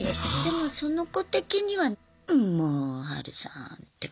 でもその子的には「んもうハルさん」って感じで済んだかな？